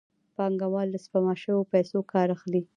پانګوال له سپما شویو پیسو کار اخلي